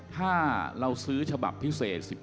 ถ้าเราซื้อฉบับพิเศษ๑๔